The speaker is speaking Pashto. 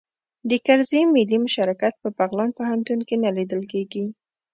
د کرزي ملي مشارکت په بغلان پوهنتون کې نه لیدل کیږي